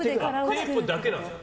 テープだけなんですか。